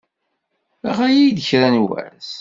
Ɣer-iyi-d kra n wass.